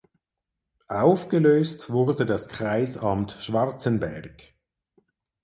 Aufgelöst wurde das Kreisamt Schwarzenberg.